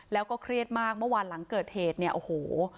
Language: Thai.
แล้วก็เครียดมากเมื่อวานหลังเกิดเหตุเนี่ยโอ้โห